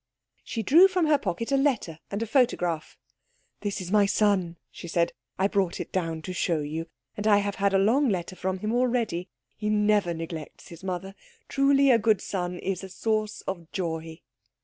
She drew from her pocket a letter and a photograph. "This is my son," she said. "I brought it down to show you. And I have had a long letter from him already. He never neglects his mother. Truly a good son is a source of joy."